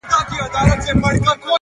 زه چي الله څخه ښكلا په سجده كي غواړم-